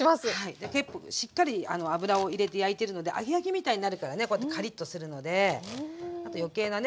で結構しっかり油を入れて焼いてるので揚げ焼きみたいになるからねこうやってカリッとするのであと余計なね